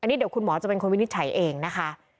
อันนี้เดี๋ยวคุณหมอจะเป็นคนวินิจฉัยเองนะคะ